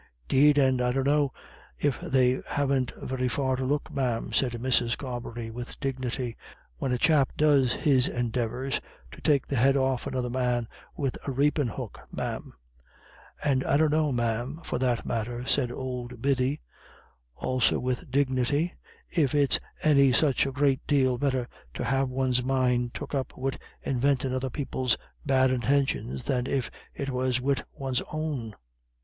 "'Deed, and I dunno if they haven't very far to look, ma'am," said Mrs. Carbery, with dignity, "when a chap does his endeavours to take the head off another man wid a rapin' hook, ma'am." "And I dunno, ma'am, for that matter," said old Biddy, also with dignity, "if it's any such a great dale better to have one's mind took up wid invintin' other people's bad intintions than if it was wid one's own."